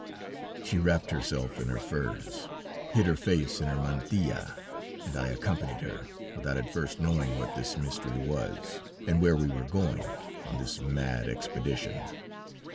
"She wrapped herself in her furs, hid her face in her mantilla, and I accompanied her, without at first knowing what this mystery was, and where we were going to, on this mad expedition.